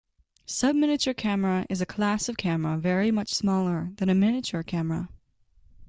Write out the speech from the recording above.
Subminiature camera is a class of camera very much smaller than "miniature camera".